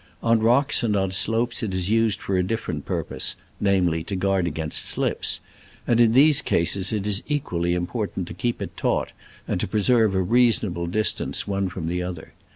On rocks and on slopes it is used for a different purpose (namely, to guard against slips), and in these cases it is equally important to keep it taut and to preserve a reason able distance one from the other.